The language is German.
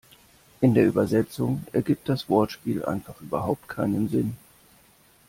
In der Übersetzung ergibt das Wortspiel einfach überhaupt keinen Sinn.